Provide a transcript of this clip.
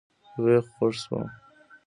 وئ خوږ شوم